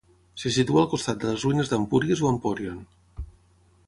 Se situa al costat de les ruïnes d'Empúries o Empòrion.